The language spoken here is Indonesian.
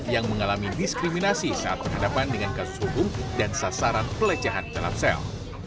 yang mengalami diskriminasi saat berhadapan dengan kasus hukum dan sasaran pelecehan telapsel